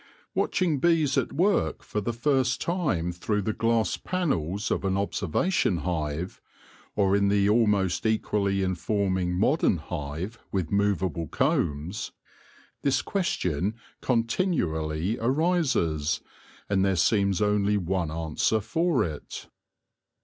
Watching bees at work for the first time through the glass panels of an observation hive, or in the almost equally informing modern hive with movable combs, this question continually arises, and there seems only one answer for it.